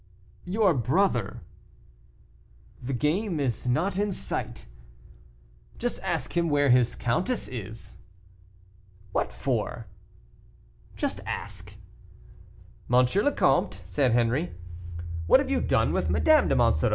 "Your brother." "The game is not in sight." "Just ask him where his countess is." "What for?" "Just ask." "M. le Comte," said Henri, "what have you done with Madame de Monsoreau?